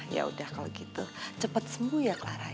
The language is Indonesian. yaudah kalo gitu cepet sembuh ya clara ya